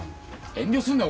遠慮すんなよ